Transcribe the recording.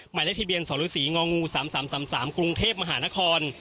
ใหม่และทีเบียนสหรุษศรีงง๓๓๓๓กรุงเทพฯมหานคร